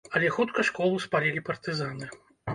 Але хутка школу спалілі партызаны.